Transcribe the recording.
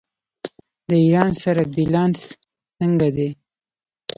د ایران سره بیلانس څنګه دی؟